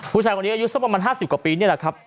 ผู้ชายคนนี้อายุสักประมาณ๕๐กว่าปีนี่แหละครับ